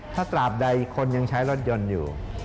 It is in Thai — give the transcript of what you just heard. ถ้าตราบใดคนยังใช้รถยนต์อยู่